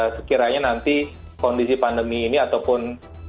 sekiranya nanti kondisi pandemi ini ataupun